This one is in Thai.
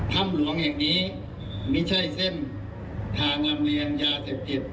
ธำหลวงอย่างนี้ไม่ใช่เส้นทานามเลี้ยงยาเสพติฤทธิ์